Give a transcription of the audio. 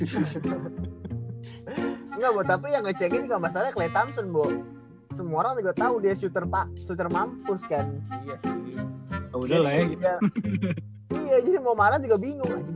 semua orang juga tahu dia shooter pak sudah mampus kan iya mau malam juga bingung aja